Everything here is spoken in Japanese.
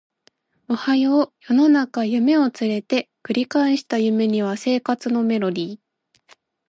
おはよう世の中夢を連れて繰り返した夢には生活のメロディ